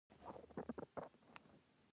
مټې یوه ګړۍ وروسته مخ پر ځوړو شو.